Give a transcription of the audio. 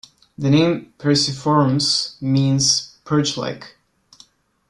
The name Perciformes means perch-like.